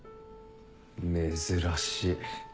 珍しい。